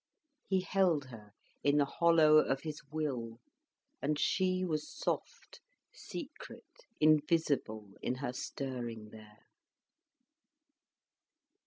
He held her in the hollow of his will, and she was soft, secret, invisible in her stirring there.